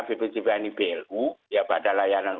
bpjb ini blu ya pada layanan